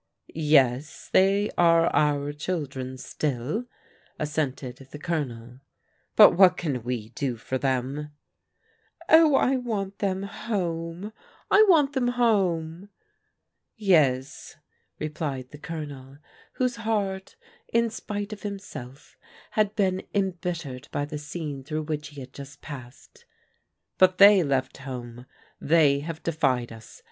" Yes, they are our children still," assented the Colo nel, " but what can we do for them ?"" Oh, I want them home ! I want them home !"" Yes," replied the Colonel, whose heart, in spite of himself, had been embittered by the scene through which he had just passed, " but they left home. They have de fied us.